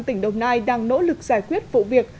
tỉnh đồng nai đang nỗ lực giải quyết vụ việc